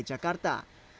pertama di jakarta